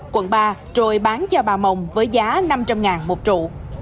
quận ba rồi bán cho bà mồng với giá năm trăm linh một trụ